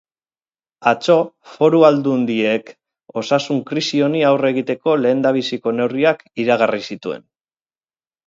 Atzo, foru aldundiek osasun krisi honi aurre egiteko lehendabiziko neurriak iragarri zituzten.